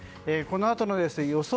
このあとの予想